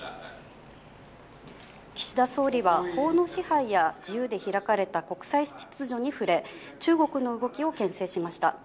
岸田総理は法の支配や自由で開かれた国際秩序に触れ、中国の動きをけん制しました。